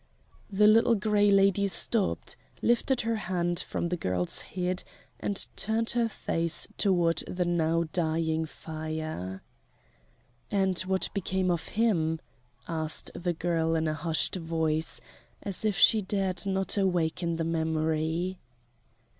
The Little Gray Lady stopped, lifted her hand from the girl's head, and turned her face toward the now dying fire. "And what became of him?" asked the girl in a hushed voice, as if she dared not awaken the memory.